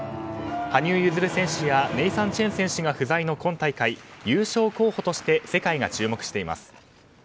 羽生結弦選手やネイサン・チェン選手が不在の今大会優勝候補として世界が注目しています。